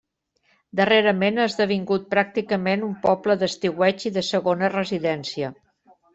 Darrerament ha esdevingut pràcticament un poble d'estiueig i de segona residència.